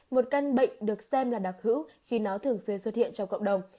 một căn bệnh được xem là đặc hữu khi nó thường xuyên xuất hiện trong cộng đồng